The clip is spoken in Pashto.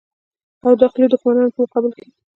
او داخلي دښمنانو په مقابل کې.